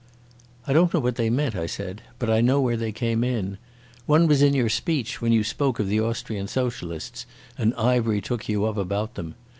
"I don't know what they meant," I said, "but I know where they came in. One was in your speech when you spoke of the Austrian socialists, and Ivery took you up about them.